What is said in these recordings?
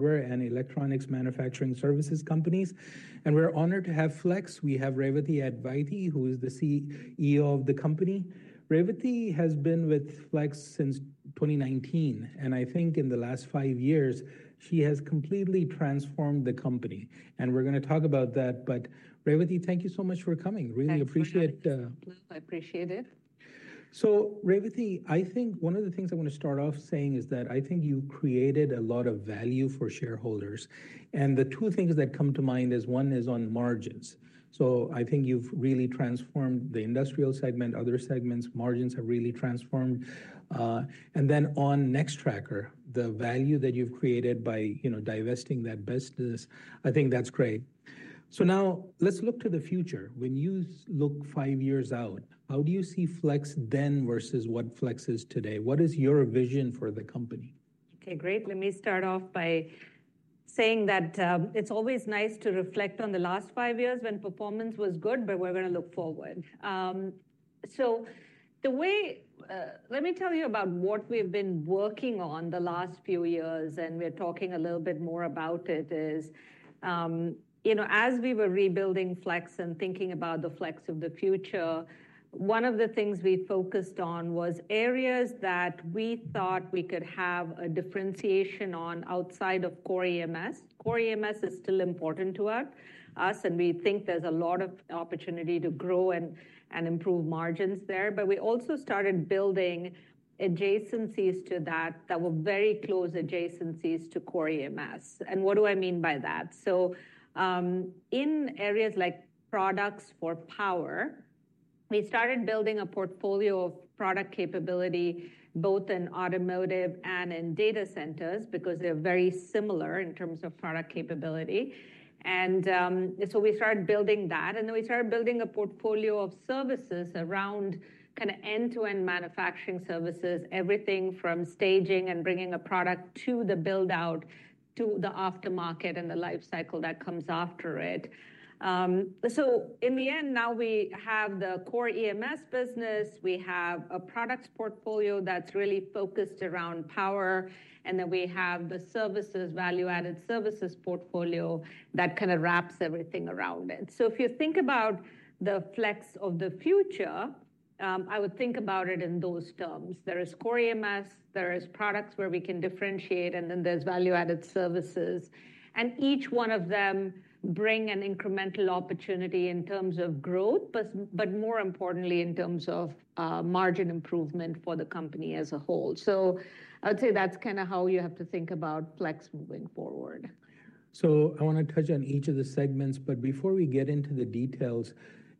electronics manufacturing services companies, and we're honored to have Flex. We have Revathi Advaithi, who is the CEO of the company. Revathi has been with Flex since 2019, and I think in the last five years, she has completely transformed the company, and we're gonna talk about that. But Revathi, thank you so much for coming. Really appreciate. Thanks. I appreciate it. So, Revathi, I think one of the things I want to start off saying is that I think you created a lot of value for shareholders. The two things that come to mind is, one is on margins. I think you've really transformed the industrial segment, other segments, margins have really transformed. And then on Nextracker, the value that you've created by, you know, divesting that business, I think that's great. Now, let's look to the future. When you look five years out, how do you see Flex then versus what Flex is today? What is your vision for the company? Okay, great. Let me start off by saying that it's always nice to reflect on the last five years when performance was good, but we're gonna look forward. So the way, let me tell you about what we've been working on the last few years, and we're talking a little bit more about it, is you know, as we were rebuilding Flex and thinking about the Flex of the future, one of the things we focused on was areas that we thought we could have a differentiation on outside of Core EMS. Core EMS is still important to us, and we think there's a lot of opportunity to grow and improve margins there. But we also started building adjacencies to that that were very close adjacencies to Core EMS. And what do I mean by that? In areas like products for power, we started building a portfolio of product capability, both in automotive and in data centers, because they're very similar in terms of product capability. So we started building that, and then we started building a portfolio of services around kinda end-to-end manufacturing services, everything from staging and bringing a product to the build-out, to the aftermarket and the life cycle that comes after it. So in the end, now we have the Core EMS business, we have a products portfolio that's really focused around power, and then we have the services, value-added services portfolio that kinda wraps everything around it. So if you think about the Flex of the future, I would think about it in those terms. There is Core EMS, there is products where we can differentiate, and then there's value-added services. Each one of them bring an incremental opportunity in terms of growth, but more importantly, in terms of, margin improvement for the company as a whole. So I'd say that's kinda how you have to think about Flex moving forward. So I wanna touch on each of the segments, but before we get into the details,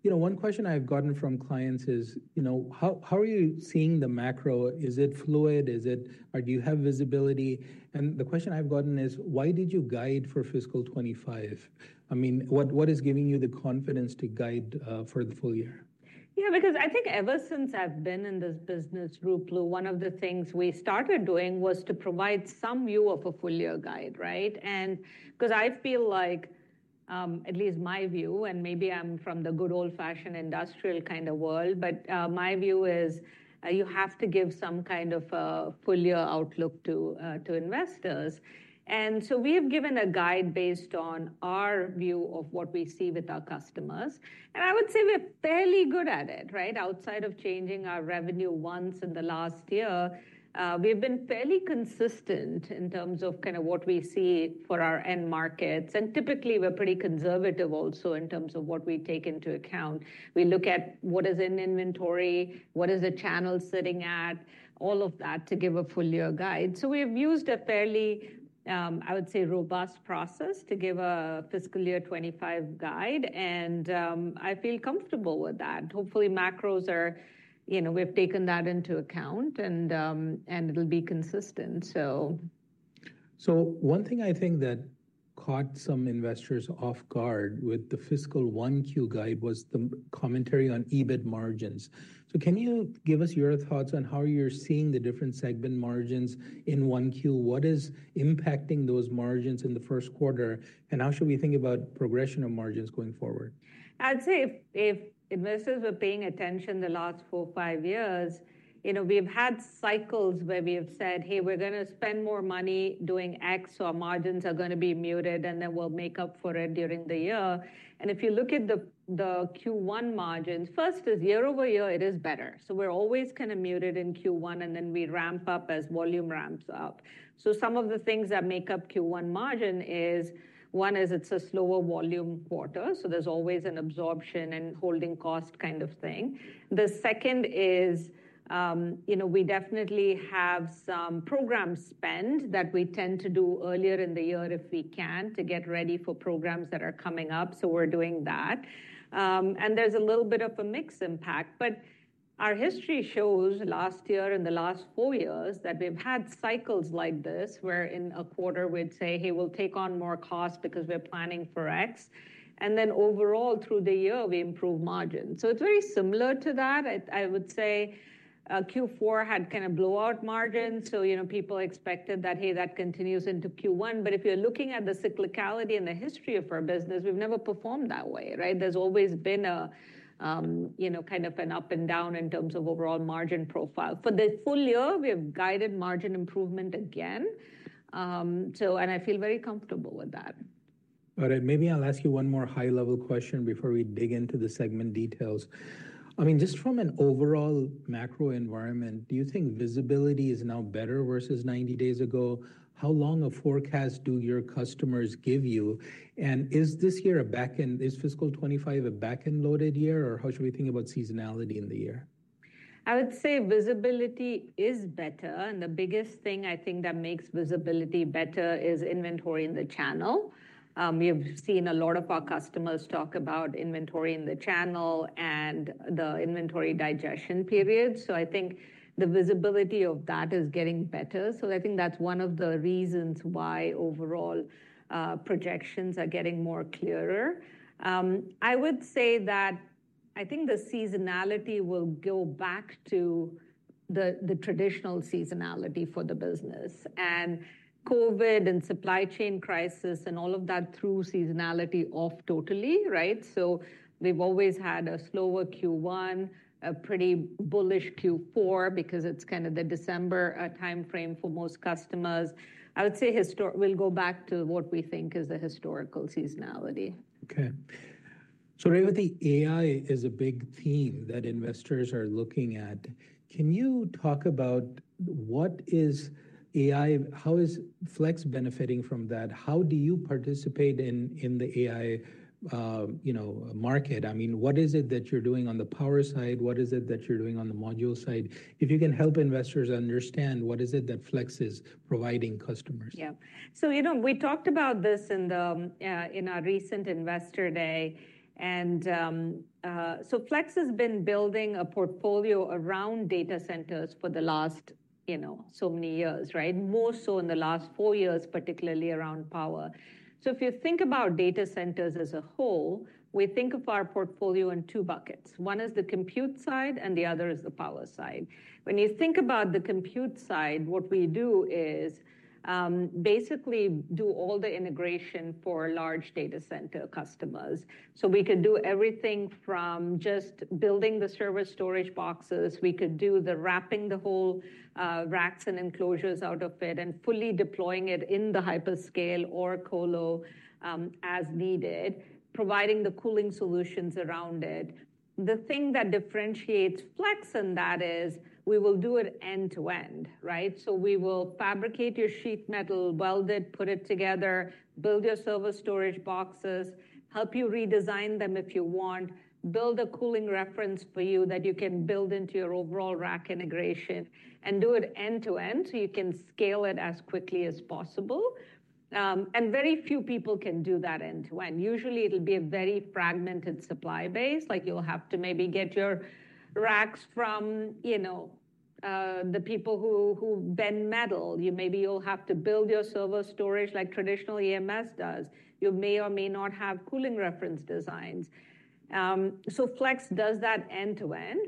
you know, one question I've gotten from clients is, you know, how are you seeing the macro? Is it fluid? Or do you have visibility? And the question I've gotten is, why did you guide for fiscal 2025? What is giving you the confidence to guide for the full year? Yeah, because I think ever since I've been in this business, Ruplu, one of the things we started doing was to provide some view of a full year guide, right? And 'Cause I feel like, at least my view, and maybe I'm from the good old-fashioned industrial kinda world, but, my view is, you have to give some kind of a full year outlook to, to investors. And so we have given a guide based on our view of what we see with our customers, and I would say we're fairly good at it, right? Outside of changing our revenue once in the last year, we've been fairly consistent in terms of kinda what we see for our end markets. And typically, we're pretty conservative also in terms of what we take into account. We look at what is in inventory, what is the channel sitting at, all of that to give a full year guide. So we've used a fairly, I would say, robust process to give a fiscal year 25 guide, and, I feel comfortable with that. Hopefully, macros are, you know, we've taken that into account and, and it'll be consistent, so. One thing I think that caught some investors off guard with the fiscal 1Q guide was the commentary on EBIT margins. Can you give us your thoughts on how you're seeing the different segment margins in 1Q? What is impacting those margins in the first quarter, and how should we think about progression of margins going forward? I'd say if investors were paying attention the last 4-5 years, you know, we've had cycles where we have said, "Hey, we're gonna spend more money doing X, so our margins are gonna be muted, and then we'll make up for it during the year." And if you look at the Q1 margins, first year-over-year, it is better. So we're always kinda muted in Q1, and then we ramp up as volume ramps up. So some of the things that make up Q1 margin is, one is it's a slower volume quarter, so there's always an absorption and holding cost kind of thing. The second is, you know, we definitely have some program spend that we tend to do earlier in the year, if we can, to get ready for programs that are coming up, so we're doing that. There's a little bit of a mix impact. But our history shows last year and the last four years, that we've had cycles like this, where in a quarter we'd say, "Hey, we'll take on more cost because we're planning for X," and then overall, through the year, we improve margin. So it's very similar to that. I would say, Q4 had kinda blowout margins, so, you know, people expected that, hey, that continues into Q1. But if you're looking at the cyclicality and the history of our business, we've never performed that way, right? There's always been a, you know, kind of an up and down in terms of overall margin profile. For the full year, we have guided margin improvement again, so and I feel very comfortable with that. All right, maybe I'll ask you one more high-level question before we dig into the segment details. I mean, just from an overall macro environment, do you think visibility is now better versus 90 days ago? How long a forecast do your customers give you? And is this year a back-end, is fiscal 2025 a back-end loaded year, or how should we think about seasonality in the year? I would say visibility is better, and the biggest thing I think that makes visibility better is inventory in the channel. We have seen a lot of our customers talk about inventory in the channel and the inventory digestion period. So I think the visibility of that is getting better. So I think that's one of the reasons why overall, projections are getting more clearer. I would say that I think the seasonality will go back to the traditional seasonality for the business, and COVID and supply chain crisis and all of that threw seasonality off totally, right? So we've always had a slower Q1, a pretty bullish Q4, because it's kind of the December time frame for most customers. We'll go back to what we think is the historical seasonality. Okay. So Revathi, AI is a big theme that investors are looking at. Can you talk about what is AI? How is Flex benefiting from that? How do you participate in the AI, you know, market? I mean, what is it that you're doing on the power side? What is it that you're doing on the module side? If you can help investors understand, what is it that Flex is providing customers? Yeah. So, you know, we talked about this in the in our recent Investor Day, and so Flex has been building a portfolio around data centers for the last, you know, so many years, right? More so in the last 4 years, particularly around power. So if you think about data centers as a whole, we think of our portfolio in two buckets. One is the compute side, and the other is the power side. When you think about the compute side, what we do is basically do all the integration for large data center customers. So we could do everything from just building the server storage boxes, we could do the wrapping the whole racks and enclosures out of it, and fully deploying it in the hyperscale or colo as needed, providing the cooling solutions around it. The thing that differentiates Flex in that is, we will do it end-to-end, right? So we will fabricate your sheet metal, weld it, put it together, build your server storage boxes, help you redesign them if you want, build a cooling reference for you that you can build into your overall rack integration, and do it end-to-end, so you can scale it as quickly as possible. And very few people can do that end-to-end. Usually, it'll be a very fragmented supply base, like, you'll have to maybe get your racks from, you know, the people who, who bend metal. You maybe you'll have to build your server storage like traditional EMS does. You may or may not have cooling reference designs. So Flex does that end-to-end,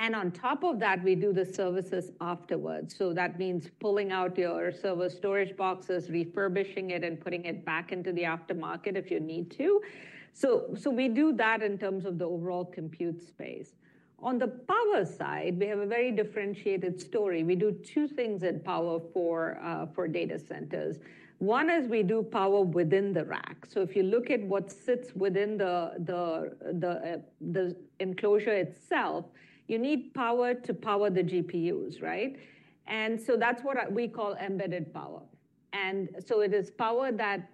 and on top of that, we do the services afterwards. So that means pulling out your server storage boxes, refurbishing it, and putting it back into the aftermarket if you need to. So we do that in terms of the overall compute space. On the power side, we have a very differentiated story. We do two things in power for data centers. One is we do power within the rack. So if you look at what sits within the enclosure itself, you need power to power the GPUs, right? And so that's what we call Embedded Power. And so it is power that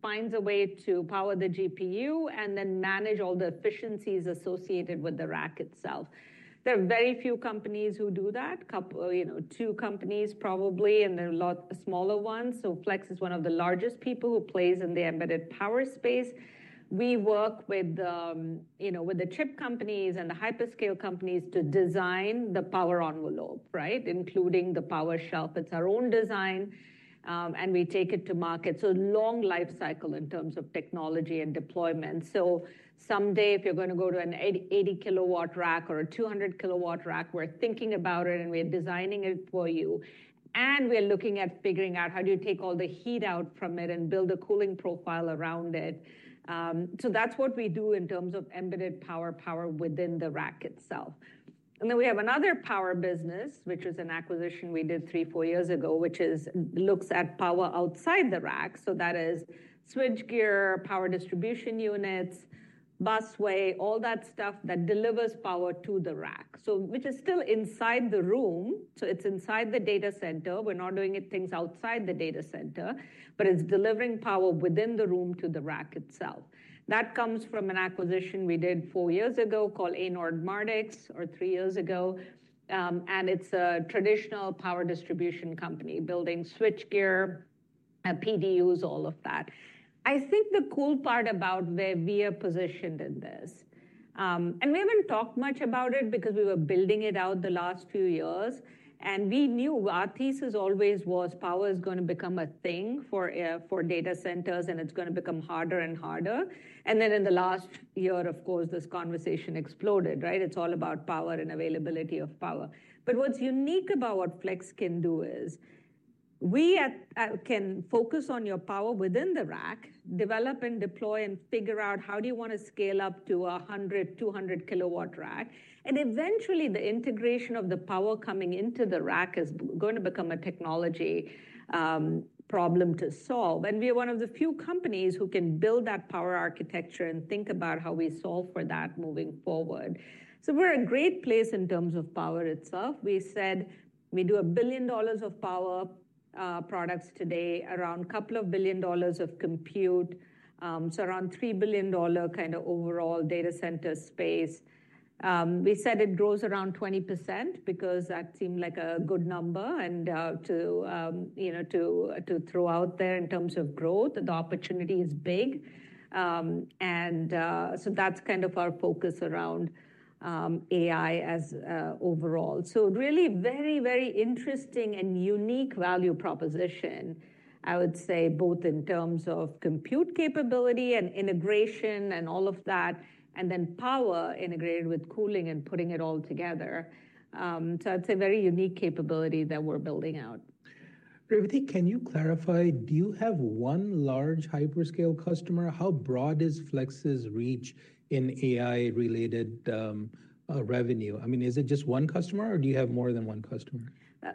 finds a way to power the GPU and then manage all the efficiencies associated with the rack itself. There are very few companies who do that, couple, you know, two companies probably, and they're a lot smaller ones. So Flex is one of the largest people who plays in the embedded power space. We work with the, you know, with the chip companies and the hyperscale companies to design the power envelope, right? Including the power shelf. It's our own design, and we take it to market. So long lifecycle in terms of technology and deployment. So someday, if you're gonna go to an 88-kilowatt rack or a 200-kilowatt rack, we're thinking about it and we're designing it for you, and we're looking at figuring out how do you take all the heat out from it and build a cooling profile around it. So that's what we do in terms of embedded power, power within the rack itself. And then we have another power business, which was an acquisition we did 3, 4 years ago, which looks at power outside the rack, so that is switchgear, power distribution units, busway, all that stuff that delivers power to the rack. So which is still inside the room, so it's inside the data center. We're not doing things outside the data center, but it's delivering power within the room to the rack itself. That comes from an acquisition we did 4 years ago called Anord Mardix, or 3 years ago, and it's a traditional power distribution company, building switchgear, PDUs, all of that. I think the cool part about where we are positioned in this, and we haven't talked much about it because we were building it out the last few years, and we knew our thesis always was power is gonna become a thing for, for data centers, and it's gonna become harder and harder. And then in the last year, of course, this conversation exploded, right? It's all about power and availability of power. But what's unique about what Flex can do is we at can focus on your power within the rack, develop and deploy and figure out how do you want to scale up to 100, 200 kW rack. And eventually, the integration of the power coming into the rack is going to become a technology problem to solve. We are one of the few companies who can build that power architecture and think about how we solve for that moving forward. So we're in a great place in terms of power itself. We said we do $1 billion of power products today, around a couple of billion dollars of compute, so around $3 billion kind of overall data center space. We said it grows around 20% because that seemed like a good number and, to, you know, to throw out there in terms of growth, the opportunity is big. And so that's kind of our focus around AI as overall. So really very, very interesting and unique value proposition, I would say, both in terms of compute capability and integration and all of that, and then power integrated with cooling and putting it all together. It's a very unique capability that we're building out. Revathi, can you clarify, do you have one large hyperscale customer? How broad is Flex's reach in AI-related revenue? I mean, is it just one customer, or do you have more than one customer?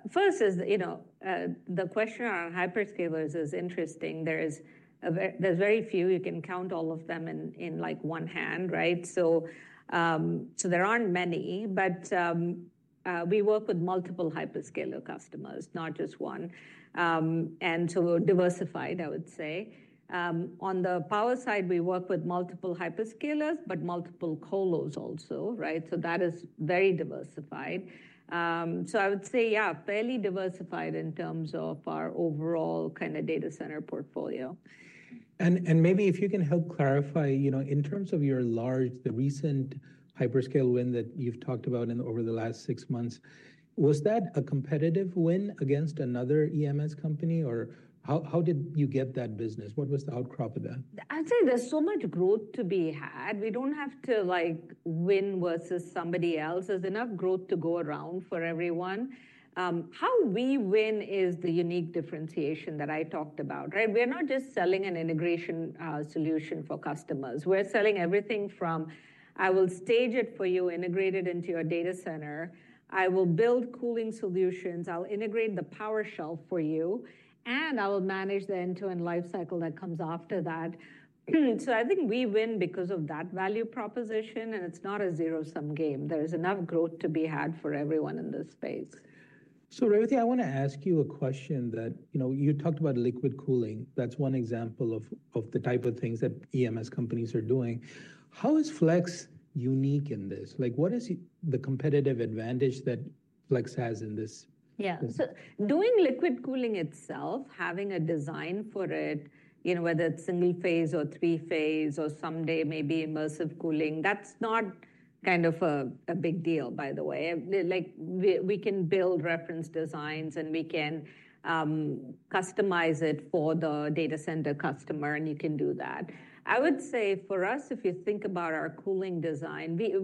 First is, you know, the question around hyperscalers is interesting. There's very few. You can count all of them in, like, one hand, right? So, there aren't many, but, we work with multiple hyperscaler customers, not just one. And so we're diversified, I would say. On the power side, we work with multiple hyperscalers, but multiple colos also, right? So that is very diversified. So I would say, yeah, fairly diversified in terms of our overall kind of data center portfolio. And maybe if you can help clarify, you know, in terms of the recent hyperscale win that you've talked about in over the last six months, was that a competitive win against another EMS company, or how did you get that business? What was the outcome of that? I'd say there's so much growth to be had. We don't have to, like, win versus somebody else. There's enough growth to go around for everyone. How we win is the unique differentiation that I talked about, right? We're not just selling an integration solution for customers. We're selling everything from, I will stage it for you, integrate it into your data center, I will build cooling solutions, I'll integrate the power shelf for you, and I will manage the end-to-end life cycle that comes after that. So I think we win because of that value proposition, and it's not a zero-sum game. There is enough growth to be had for everyone in this space. So, Revathi, I want to ask you a question that, you know, you talked about liquid cooling. That's one example of the type of things that EMS companies are doing. How is Flex unique in this? Like, what is the competitive advantage that Flex has in this? So doing liquid cooling itself, having a design for it, you know, whether it's single phase or three phase or someday maybe immersive cooling, that's not kind of a big deal, by the way. Like we can build reference designs, and we can customize it for the data center customer, and you can do that. I would say for us, if you think about our cooling design, we're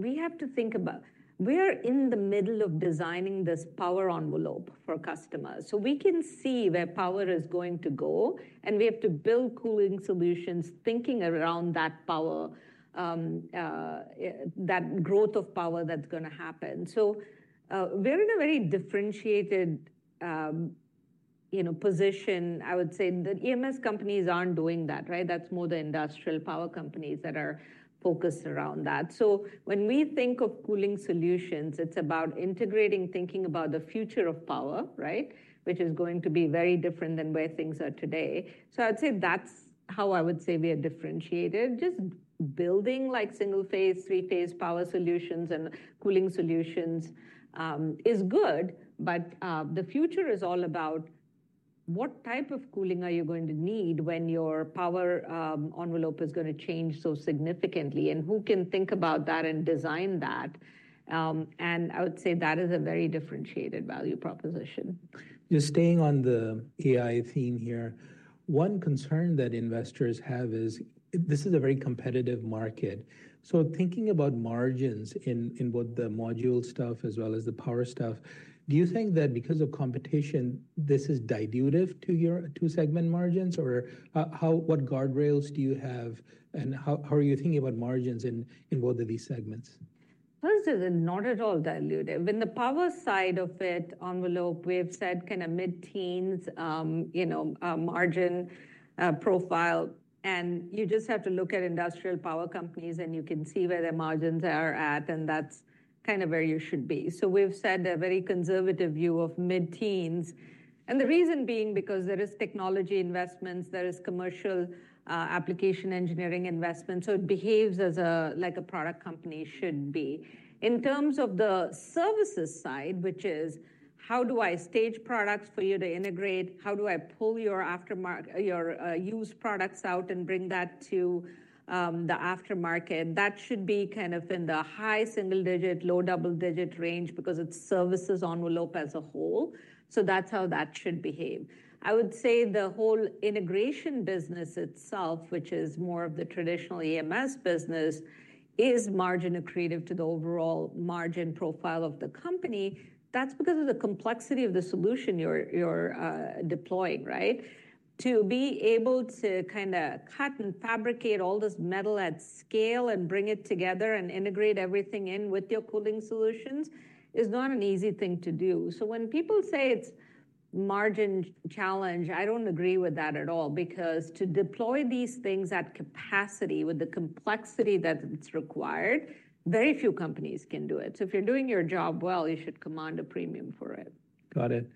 in the middle of designing this power envelope for customers, so we can see where power is going to go, and we have to build cooling solutions thinking around that power, that growth of power that's gonna happen. So, we're in a very differentiated, you know, position, I would say. The EMS companies aren't doing that, right? That's more the industrial power companies that are focused around that. So when we think of cooling solutions, it's about integrating, thinking about the future of power, right? Which is going to be very different than where things are today. So I'd say that's how I would say we are differentiated. Just building, like, single-phase, three-phase power solutions and cooling solutions is good, but the future is all about what type of cooling are you going to need when your power envelope is gonna change so significantly, and who can think about that and design that? And I would say that is a very differentiated value proposition. Just staying on the AI theme here, one concern that investors have is this is a very competitive market. So thinking about margins in both the module stuff as well as the power stuff, do you think that because of competition, this is dilutive to your two-segment margins? Or, what guardrails do you have, and how are you thinking about margins in both of these segments? First, is not at all dilutive. In the power side of it, envelope, we've said kind of mid-teens, you know, margin, profile, and you just have to look at industrial power companies, and you can see where their margins are at, and that's kind of where you should be. So we've set a very conservative view of mid-teens, and the reason being because there is technology investments, there is commercial, application engineering investment, so it behaves as a, like a product company should be. In terms of the services side, which is, how do I stage products for you to integrate? How do I pull your aftermarket, your, used products out and bring that to, the aftermarket? That should be kind of in the high single-digit, low double digit range because it's services envelope as a whole, so that's how that should behave. I would say the whole integration business itself, which is more of the traditional EMS business, is margin accretive to the overall margin profile of the company. That's because of the complexity of the solution you're deploying, right? To be able to kinda cut and fabricate all this metal at scale and bring it together and integrate everything in with your cooling solutions is not an easy thing to do. So when people say it's margin challenge, I don't agree with that at all, because to deploy these things at capacity with the complexity that it's required, very few companies can do it. So if you're doing your job well, you should command a premium for it. Got it.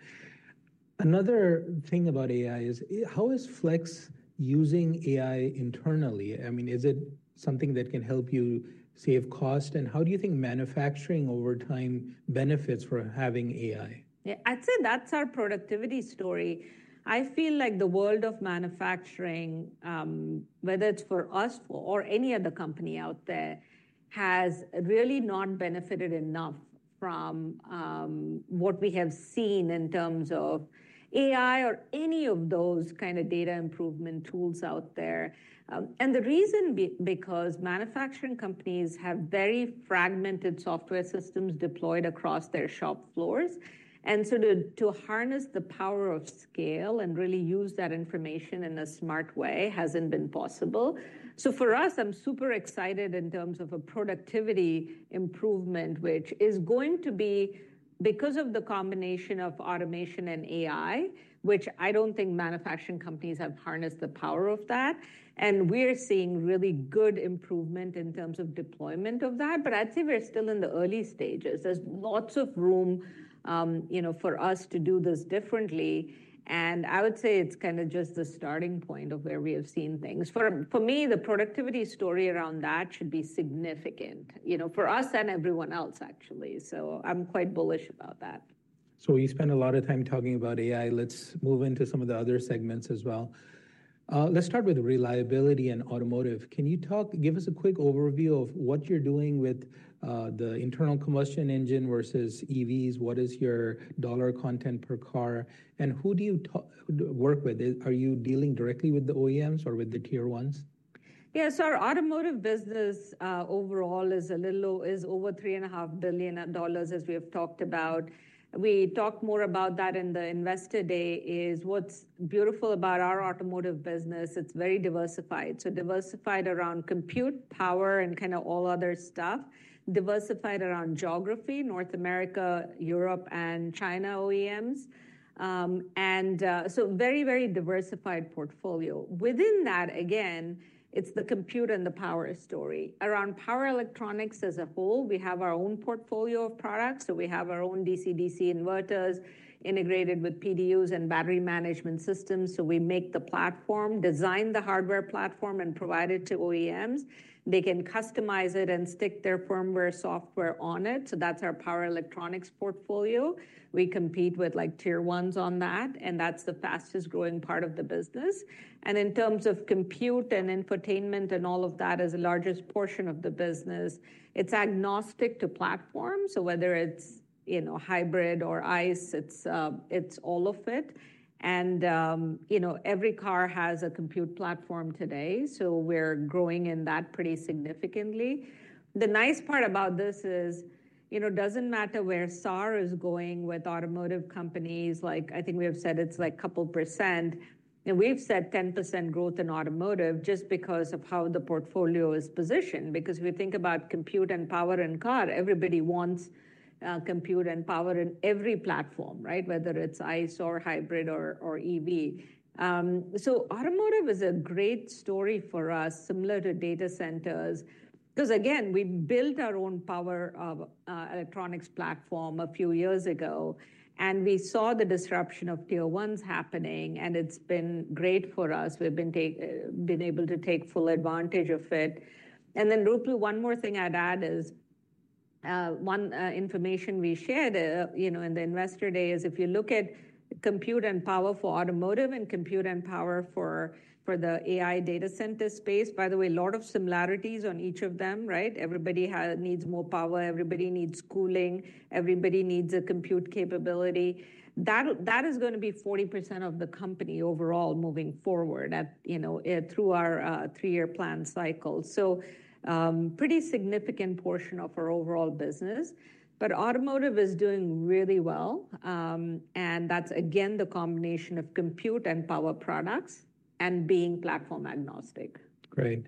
Another thing about AI is, how is Flex using AI internally? I mean, is it something that can help you save cost? And how do you think manufacturing over time benefits from having AI? Yeah, I'd say that's our productivity story. I feel like the world of manufacturing, whether it's for us or any other company out there, has really not benefited enough from what we have seen in terms of AI or any of those kind of data improvement tools out there. And the reason, because manufacturing companies have very fragmented software systems deployed across their shop floors, and so to harness the power of scale and really use that information in a smart way hasn't been possible. So for us, I'm super excited in terms of a productivity improvement, which is going to be because of the combination of automation and AI, which I don't think manufacturing companies have harnessed the power of that. And we are seeing really good improvement in terms of deployment of that, but I'd say we're still in the early stages. There's lots of room, you know, for us to do this differently, and I would say it's kinda just the starting point of where we have seen things. For me, the productivity story around that should be significant, you know, for us and everyone else, actually. So I'm quite bullish about that. So we spent a lot of time talking about AI. Let's move into some of the other segments as well. Let's start with reliability and automotive. Can you talk, give us a quick overview of what you're doing with the internal combustion engine versus EVs? What is your dollar content per car, and who do you work with? Are you dealing directly with the OEMs or with the Tier 1s? Yeah, so our automotive business, overall is a little low, is over $3.5 billion, as we have talked about. We talked more about that in the Investor Day, is what's beautiful about our automotive business, it's very diversified. So diversified around compute, power, and kinda all other stuff. Diversified around geography, North America, Europe, and China OEMs. And so very, very diversified portfolio. Within that, again, it's the compute and the power story. Around power electronics as a whole, we have our own portfolio of products, so we have our own DC-DC inverters integrated with PDUs and battery management systems. So we make the platform, design the hardware platform, and provide it to OEMs. They can customize it and stick their firmware software on it, so that's our power electronics portfolio. We compete with, like, Tier 1s on that, and that's the fastest-growing part of the business. In terms of compute and infotainment and all of that as the largest portion of the business, it's agnostic to platform. So whether it's, you know, hybrid or ICE, it's all of it. You know, every car has a compute platform today, so we're growing in that pretty significantly. The nice part about this is, you know, doesn't matter where SAAR is going with automotive companies, like, I think we have said it's, like, couple percent, and we've said 10% growth in automotive just because of how the portfolio is positioned. Because if we think about compute and power in car, everybody wants compute and power in every platform, right? Whether it's ICE or hybrid or EV. So automotive is a great story for us, similar to data centers. 'Cause again, we built our own power electronics platform a few years ago, and we saw the disruption of Tier 1s happening, and it's been great for us. We've been able to take full advantage of it. And then, Ruplu, one more thing I'd add is, one information we shared, you know, in the Investor Day is if you look at compute and power for automotive and compute and power for the AI data center space, by the way, a lot of similarities on each of them, right? Everybody needs more power, everybody needs cooling, everybody needs a compute capability. That is gonna be 40% of the company overall moving forward at, you know, through our three-year plan cycle. Pretty significant portion of our overall business. Automotive is doing really well, and that's again the combination of compute and power products and being platform agnostic. Great.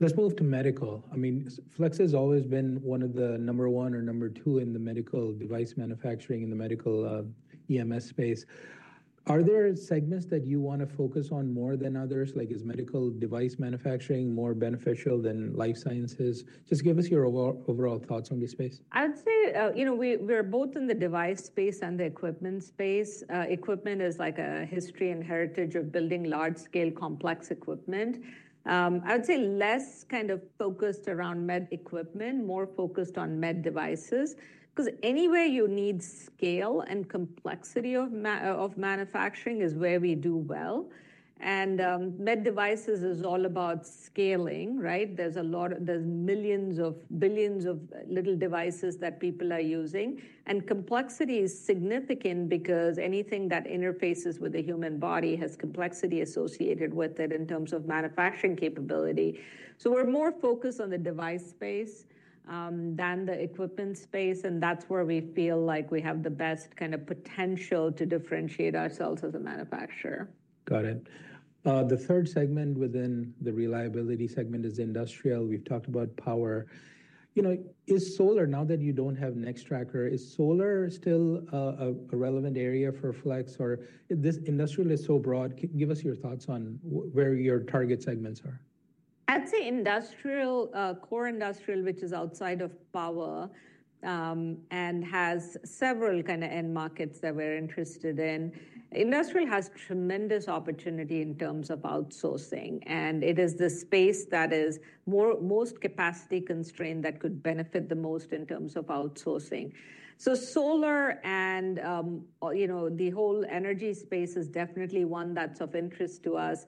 Let's move to medical. I mean, Flex has always been one of the number one or number two in the medical device manufacturing, in the medical EMS space. Are there segments that you wanna focus on more than others? Like, is medical device manufacturing more beneficial than life sciences? Just give us your overall thoughts on this space. I'd say, you know, we, we're both in the device space and the equipment space. Equipment is like a history and heritage of building large-scale, complex equipment. I would say less kind of focused around med equipment, more focused on med devices. 'Cause anywhere you need scale and complexity of of manufacturing is where we do well. And, med devices is all about scaling, right? There's millions of billions of little devices that people are using, and complexity is significant because anything that interfaces with the human body has complexity associated with it in terms of manufacturing capability. So we're more focused on the device space, than the equipment space, and that's where we feel like we have the best kind of potential to differentiate ourselves as a manufacturer. Got it. The third segment within the reliability segment is industrial. We've talked about power. Now that you don't have Nextracker, is solar still a relevant area for Flex, or this industrial is so broad? Give us your thoughts on where your target segments are. I'd say industrial, core industrial, which is outside of power, and has several kind of end markets that we're interested in. Industrial has tremendous opportunity in terms of outsourcing, and it is the space that is most capacity constrained that could benefit the most in terms of outsourcing. So solar and, you know, the whole energy space is definitely one that's of interest to us.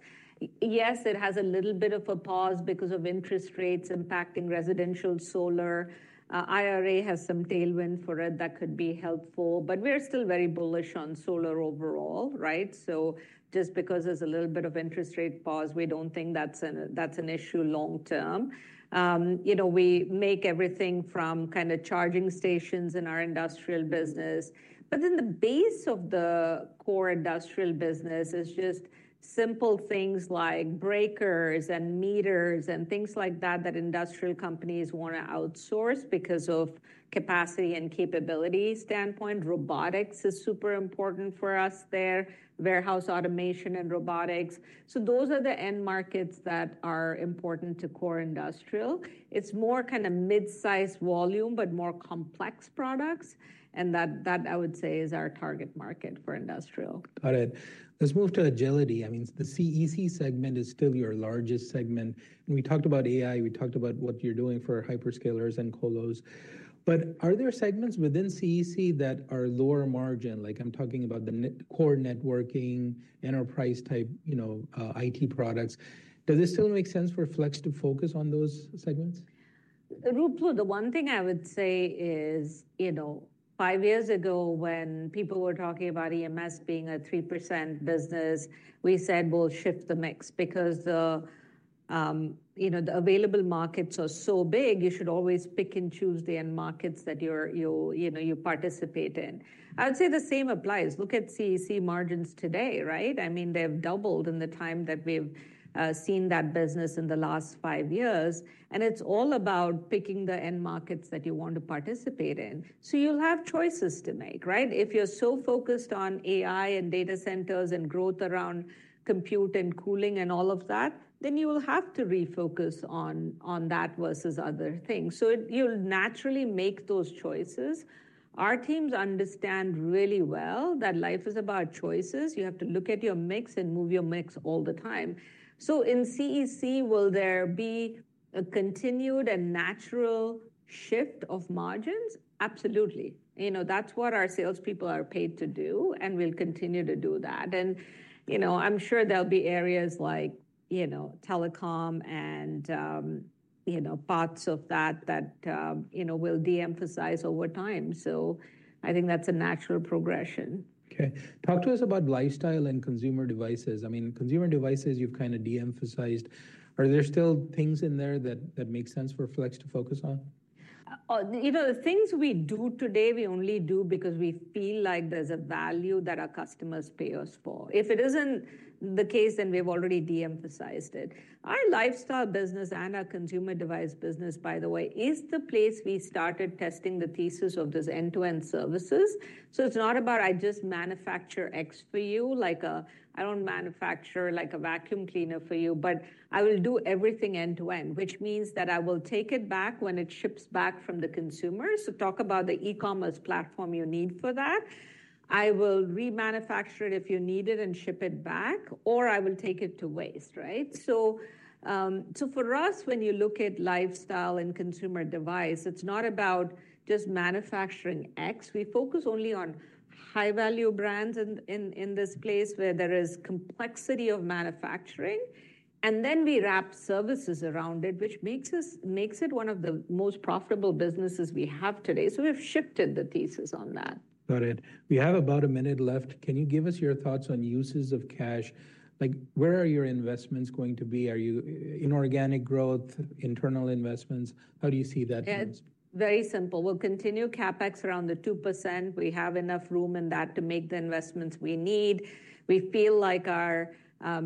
Yes, it has a little bit of a pause because of interest rates impacting residential solar. IRA has some tailwind for it that could be helpful, but we are still very bullish on solar overall, right? So just because there's a little bit of interest rate pause, we don't think that's an, that's an issue long term. You know, we make everything from kinda charging stations in our industrial business. But then the base of the core industrial business is just simple things like breakers and meters and things like that, that industrial companies wanna outsource because of capacity and capability standpoint. Robotics is super important for us there, warehouse automation and robotics. So those are the end markets that are important to core industrial. It's more kinda mid-sized volume, but more complex products, and that I would say is our target market for industrial. Got it. Let's move to Agility. I mean, the CEC segment is still your largest segment. And we talked about AI, we talked about what you're doing for hyperscalers and colos. But are there segments within CEC that are lower margin? Like, I'm talking about the net-core networking, enterprise type, you know, IT products. Does it still make sense for Flex to focus on those segments? Ruplu, the one thing I would say is, you know, five years ago, when people were talking about EMS being a 3% business, we said we'll shift the mix because the, you know, the available markets are so big, you should always pick and choose the end markets that you're, you know, you participate in. I would say the same applies. Look at CEC margins today, right? I mean, they've doubled in the time that we've seen that business in the last five years, and it's all about picking the end markets that you want to participate in. So you'll have choices to make, right? If you're so focused on AI and data centers and growth around compute and cooling and all of that, then you will have to refocus on, on that versus other things. You'll naturally make those choices. Our teams understand really well that life is about choices. You have to look at your mix and move your mix all the time. So in CEC, will there be a continued and natural shift of margins? Absolutely. You know, that's what our salespeople are paid to do, and we'll continue to do that. And, you know, I'm sure there'll be areas like, you know, telecom and, you know, parts of that, that, you know, we'll de-emphasize over time. So I think that's a natural progression. Okay. Talk to us about lifestyle and consumer devices. I mean, consumer devices, you've kinda de-emphasized. Are there still things in there that make sense for Flex to focus on? You know, the things we do today, we only do because we feel like there's a value that our customers pay us for. If it isn't the case, then we've already de-emphasized it. Our lifestyle business and our consumer device business, by the way, is the place we started testing the thesis of this end-to-end services. So it's not about I just manufacture X for you, like, I don't manufacture, like, a vacuum cleaner for you, but I will do everything end to end, which means that I will take it back when it ships back from the consumer. So talk about the e-commerce platform you need for that. I will remanufacture it if you need it and ship it back, or I will take it to waste, right? So, so for us, when you look at lifestyle and consumer device, it's not about just manufacturing X. We focus only on high-value brands in this place where there is complexity of manufacturing, and then we wrap services around it, which makes it one of the most profitable businesses we have today. So we've shifted the thesis on that. Got it. We have about a minute left. Can you give us your thoughts on uses of cash? Like, where are your investments going to be? Are you inorganic growth, internal investments? How do you see that piece? Yeah, very simple. We'll continue CapEx around the 2%. We have enough room in that to make the investments we need. We feel like our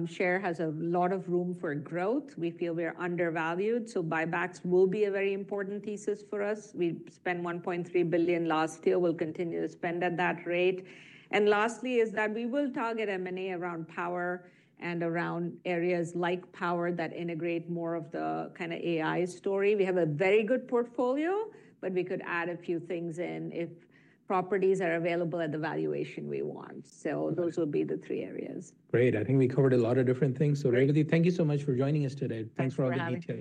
share has a lot of room for growth. We feel we are undervalued, so buybacks will be a very important thesis for us. We spent $1.3 billion last year. We'll continue to spend at that rate. And lastly is that we will target M&A around power and around areas like power that integrate more of the kinda AI story. We have a very good portfolio, but we could add a few things in if properties are available at the valuation we want. So those will be the three areas. Great. I think we covered a lot of different things. Great. Revathi, thank you so much for joining us today. Thanks for having me. Thanks for all the details.